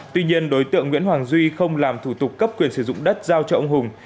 tuy nhiên đối tượng nguyễn hoàng duy không làm thủ tục cấp quyền sử dụng đất giao cho ông hùng